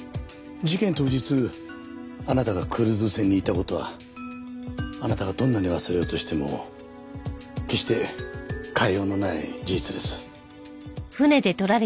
事件当日あなたがクルーズ船にいた事はあなたがどんなに忘れようとしても決して変えようのない事実です。